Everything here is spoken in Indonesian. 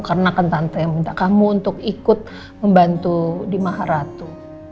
karena kan tante yang minta kamu untuk ikut membantu di maharatu